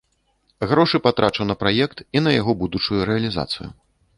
Грошы патрачу на праект і на яго будучую рэалізацыю.